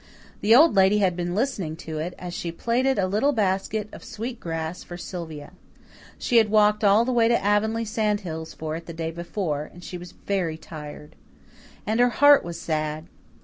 The Old Lady had been listening to it, as she plaited a little basket of sweet grass for Sylvia. She had walked all the way to Avonlea sand hills for it the day before, and she was very tired. And her heart was sad.